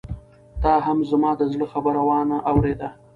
تا هم زما د زړه خبره وانه اورېده.